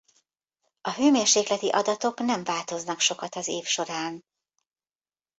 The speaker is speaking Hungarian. A hőmérsékleti adatok nem változnak sokat az év során.